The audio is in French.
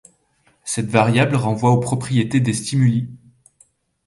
Cette variable renvoie aux propriétés des stimuli.